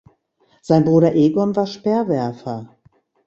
Sein Bruder Egon war Speerwerfer.